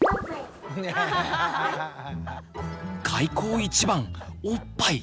開口一番おっぱい。